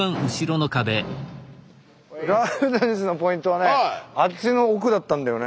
ＬＯＵＤＮＥＳＳのポイントはねあっちの奥だったんだよね。